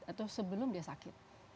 atau sebelum dia sakit